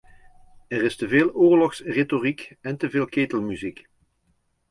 Er is teveel oorlogsretoriek en teveel ketelmuziek.